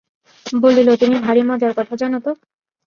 বলিল, তুমি ভারি মজার কথা জানো তো?